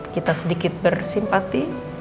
kita sedikit bersimpati